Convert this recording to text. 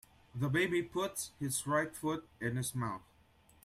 The baby puts his right foot in his mouth.